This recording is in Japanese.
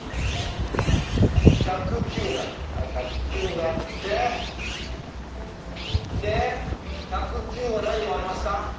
１０９になってで１０９は何で割れますか？